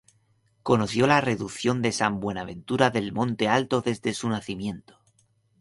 Conoció la reducción de San Buenaventura del Monte Alto desde su nacimiento.